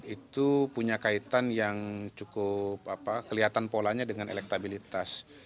itu punya kaitan yang cukup kelihatan polanya dengan elektabilitas